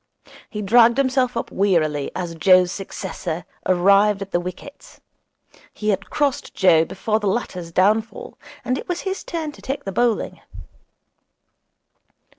He dragged himself up wearily as Joe's successor arrived at the wickets. He had crossed Joe before the latter's downfall, and it was his turn to take the bowling.